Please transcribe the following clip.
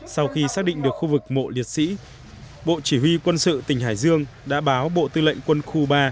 sau khi xác định được khu vực mộ liệt sĩ bộ chỉ huy quân sự tỉnh hải dương đã báo bộ tư lệnh quân khu ba